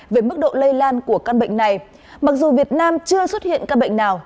về mức độ lây lan của căn bệnh này mặc dù việt nam chưa xuất hiện ca bệnh nào